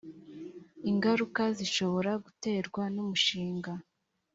ingaruka zishobora guterwa n umushinga